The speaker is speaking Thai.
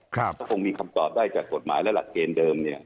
ก็คงมีคำตอบได้จากกฎหมายและหลักเกณฑ์เดิม